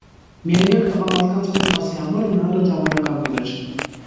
Միայնակ տղամարդկանց մեծ մասի համար մնալը ժամանակավոր էր։